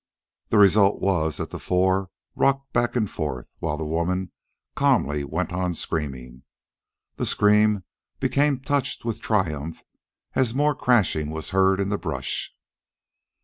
The result was that the four rocked back and forth, while the woman calmly went on screaming. The scream became touched with triumph as more crashing was heard in the brush.